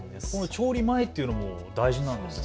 調理前というのも大事なんですね。